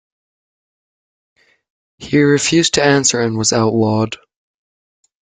He refused to answer and was outlawed.